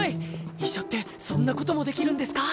医者ってそんなこともできるんですか？